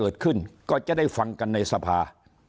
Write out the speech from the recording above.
เกิดขึ้นก็จะได้ฟังกันในสภา